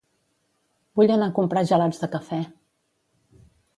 Vull anar a comprar gelats de cafè